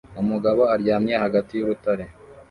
umugabo aryamye hagati y'urutare